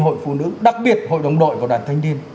hội phụ nữ đặc biệt hội đồng đội và đoàn thanh niên